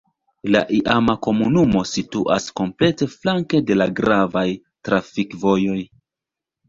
La iama komunumo situas komplete flanke de la gravaj trafikvojoj.